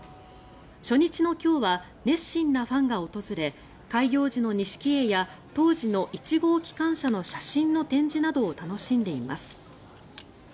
初日の今日は熱心なファンが訪れ開業時の錦絵や当時の１号機関車の写真の展示などを楽しんでいます。